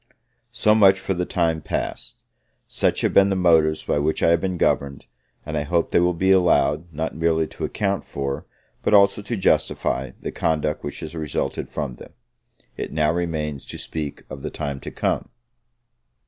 So much for the time past. Such have been the motives by which I have been governed; and I hope they will be allowed not merely to account for, but also to justify, the conduct which has resulted from them. It now remains to speak of the time to come.